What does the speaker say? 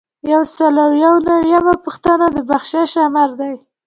یو سل او یو نوي یمه پوښتنه د بخشش آمر دی.